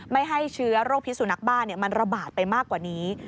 ไม่ให้เชื้อโรคพิสุนักบ้ามันระบาดไปมากกว่านี้